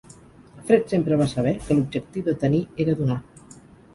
Fred sempre va saber que l'objectiu de tenir era donar.